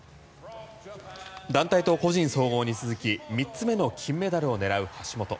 団体と個人総合に続き３つ目の金メダルを狙う橋本。